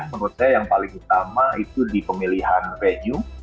menurut saya yang paling utama itu di pemilihan venue